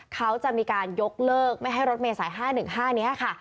เขาจะมีการยกเลิกไม่ให้รถเมษาย๕๑๕นี้ค่ะ